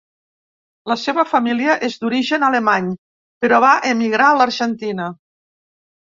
La seva família és d'origen alemany però va emigrar l'Argentina.